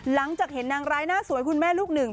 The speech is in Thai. หลังจากเห็นนางร้ายหน้าสวยคุณแม่ลูกหนึ่ง